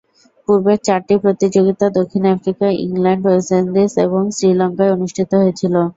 পূর্বের চারটি প্রতিযোগিতা দক্ষিণ আফ্রিকা, ইংল্যান্ড, ওয়েস্ট ইন্ডিজ এবং শ্রীলঙ্কায় অনুষ্ঠিত হয়েছিল।